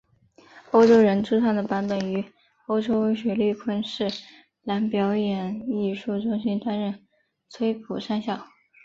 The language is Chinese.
澳洲人自创的版本于澳洲雪梨昆士兰表演艺术中心担任崔普上校。